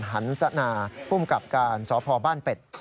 หันศนาผู้มีการสภาพบ้านเป็ด